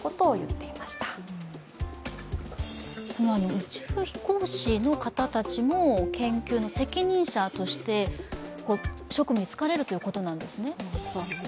宇宙飛行士の方たちも研究の責任者として職務に就かれるということなんですね。